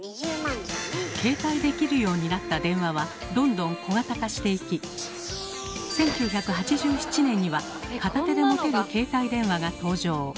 携帯できるようになった電話はどんどん小型化していき１９８７年には片手で持てる携帯電話が登場。